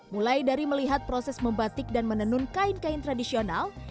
mulai dari melihat proses membatik dan menenun kain kain tradisional